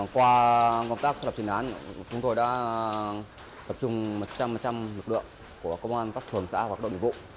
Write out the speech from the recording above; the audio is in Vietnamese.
qua công tác xác lập chuyên án chúng tôi đã tập trung một trăm linh lực lượng của công an tp vĩnh yên xác lập chuyên án